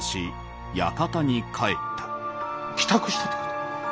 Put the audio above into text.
帰宅したってこと？